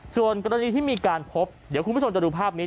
ส่วนกรณีที่มีการพบเดี๋ยวคุณผู้ชมจะดูภาพนี้